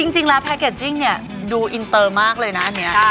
จริงแล้วแพ็กเกจจิ้งเนี่ยดูอินเตอร์มากเลยนะอันนี้